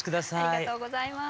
ありがとうございます。